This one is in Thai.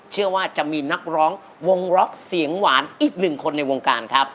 เชื่อว่าจะมีนักร้องวงล็อกเสียงหวานอีกหนึ่งคนในวงการครับ